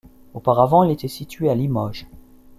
Auparavant, il était situé à Limoges.